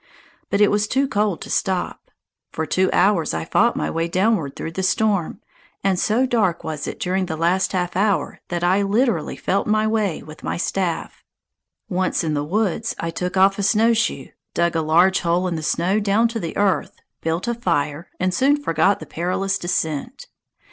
But it was too cold to stop. For two hours I fought my way downward through the storm, and so dark was it during the last half hour that I literally felt my way with my staff. Once in the woods, I took off a snowshoe, dug a large hole in the snow down to the earth, built a fire, and soon forgot the perilous descent.